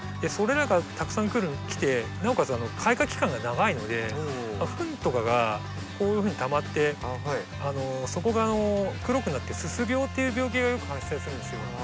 それらがたくさん来てなおかつ開花期間が長いのでフンとかがこういうふうにたまってそこが黒くなってすす病っていう病気がよく発生するんですよ。